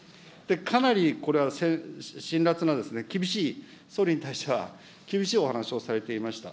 かなりこれは辛らつな厳しい、総理に対しては、厳しいお話をされていました。